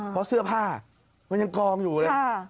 เพราะเสื้อผ้ามันยังกองอยู่เลย